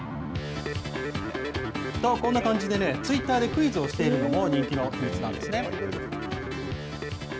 と、こんな感じでツイッターでクイズをしているのも人気の秘密なんですね。